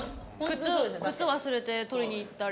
靴忘れて取りに行ったり。